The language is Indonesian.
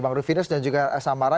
bang rufinus dan juga samara